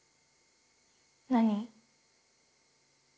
何？